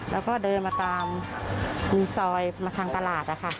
แล้วก็เดินมาตามรีซอยมาทางตลาดนะคะ